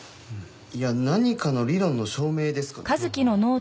いや何かの理論の証明ですかね。